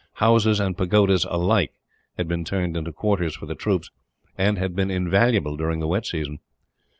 Houses and pagodas alike had been turned into quarters for the troops, and had been invaluable during the wet season.